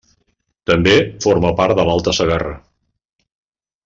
També forma part de l'Alta Segarra.